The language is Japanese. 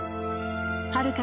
はるか